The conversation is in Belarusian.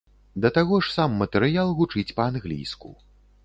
Да таго ж, сам матэрыял гучыць па-англійску.